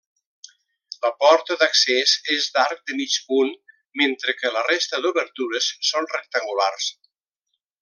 La porta d'accés és d'arc de mig punt, mentre que la resta d'obertures són rectangulars.